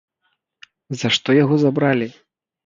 За што яго забралі?